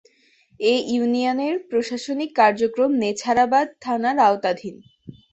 এ ইউনিয়নের প্রশাসনিক কার্যক্রম নেছারাবাদ থানার আওতাধীন।